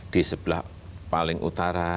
di sebelah paling utara